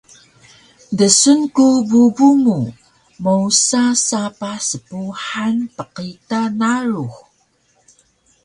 Dsun ku bubu mu mowsa sapah spuhan pqita narux